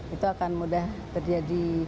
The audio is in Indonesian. itu akan mudah terjadi